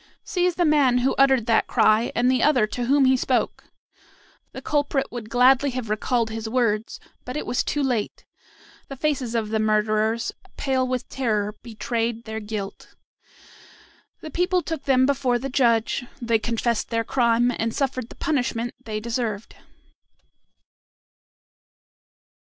Seize the man who uttered that cry and the other to whom he spoke!" The culprit would gladly have recalled his words, but it was too late. The faces of the murderers, pale with terror, betrayed their guilt. The people took them before the judge, they confessed their crime, and suffered the punishment they deserved.